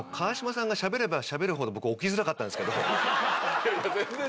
いやいや全然全然。